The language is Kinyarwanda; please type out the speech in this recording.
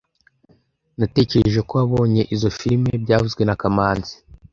Natekereje ko wabonye izoi firime byavuzwe na kamanzi